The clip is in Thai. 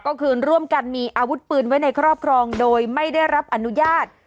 ก็คือร่วมกันมีอาวุธปืนไว้ในครอบครองโดยไม่ได้รับอนุญาต